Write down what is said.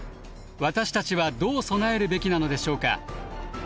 私たちはどう備えるべきなのでしょうか。